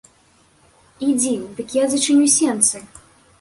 Ідзі, дык я зачыню сенцы.